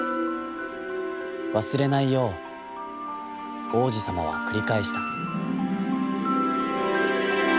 忘れないよう、王子さまはくり返した」。